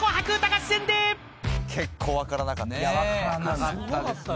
結構分からなかったですね。